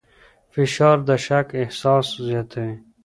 فشار د شک احساس زیاتوي.